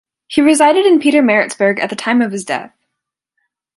He resided in Pietermaritzburg at the time of his death.